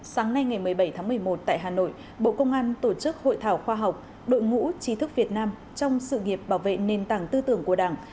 sáng nay ngày một mươi bảy tháng một mươi một tại hà nội bộ công an tổ chức hội thảo khoa học đội ngũ trí thức việt nam trong sự nghiệp bảo vệ nền tảng tư tưởng của đảng